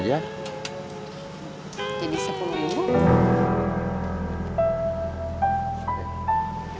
jadi sepung ibu